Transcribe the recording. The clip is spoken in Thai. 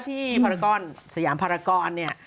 ที่พราครสยามพรากรเนี่ย